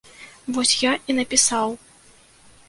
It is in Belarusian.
Вось я і напісаў.